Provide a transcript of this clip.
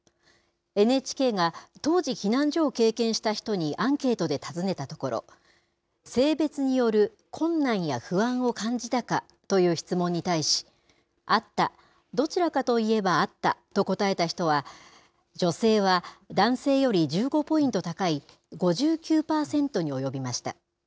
ＮＨＫが当時、避難所を経験した人にアンケートで尋ねたところ、性別による困難や不安を感じたかという質問に対し、あった、どちらかといえばあったと答えた人は、女性は男性より１５ポイント高い、５９％に及びました。